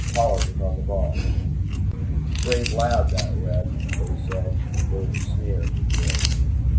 Pollard was on the ball. "Brave lad, that Reb," Chase said. There was a sneer in his voice.